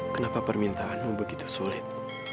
kenapa permintaanmu begitu sulit